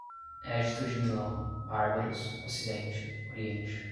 Édito de Milão, bárbaros, ocidente, oriente